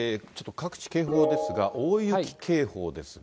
各地警報ですが、大雪警報ですが。